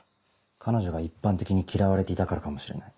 彼女が一般的に嫌われていたからかもしれない。